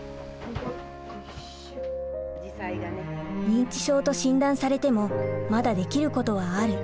認知症と診断されてもまだできることはある。